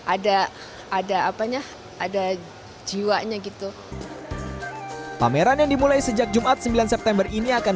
ada ada apanya ada jiwanya gitu pameran yang dimulai sejak jumat sembilan september ini akan